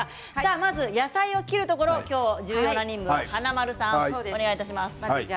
まず野菜を切るところ今日は重要な任務華丸さん、お願いします。